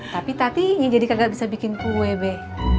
tapi tapi jadi kagak bisa bikin kue be